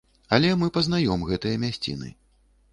Але мы пазнаём гэтыя мясціны.